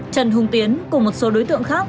trần hồng tiến cùng một số đối tượng khác